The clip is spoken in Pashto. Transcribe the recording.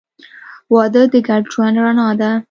• واده د ګډ ژوند رڼا ده.